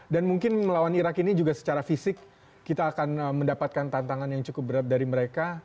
dan mungkin melawan irak ini juga secara fisik kita akan mendapatkan tantangan yang cukup berat dari mereka